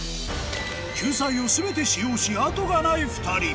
救済を全て使用し後がない２人